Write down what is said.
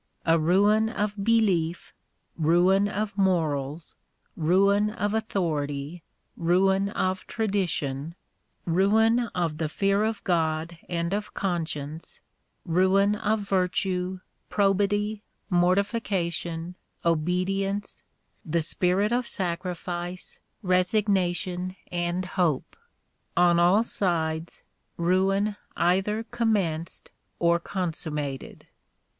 A ruin of belief, ruin of morals, ruin of authority, ruin of tradition, ruin of the fear of God and of conscience, ruin of virtue, probity, mortification, obedi ence, the spirit of sacrifice, resignation, and hope on all sides, ruin either commenced or consummated.